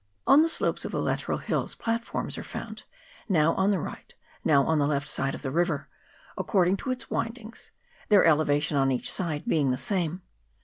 On the slopes of the lateral hills platforms are found, now on the right, now on the left side of the river, according to its windings, their elevation on each side being the same.